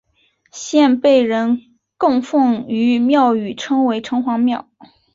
现被人供奉于庙宇称为城隍庙。